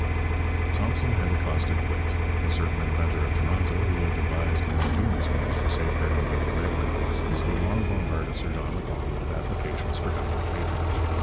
Thompson had a caustic wit. A certain inventor of Toronto, who had devised an ingenious means for safeguarding level railway crossings, had long bombarded Sir John Macdonald with applications for Government patronage.